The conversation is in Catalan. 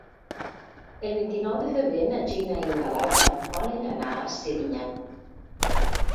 El vint-i-nou de febrer na Gina i na Laura volen anar a Serinyà.